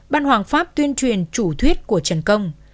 ban hoàng pháp tuyên truyền chủ thuyết của trần công